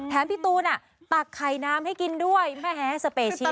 แถมพี่ตูนตักไข่น้ำให้กินด้วยมหาสเปเชียว